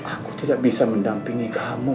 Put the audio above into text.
aku tidak bisa mendampingi kamu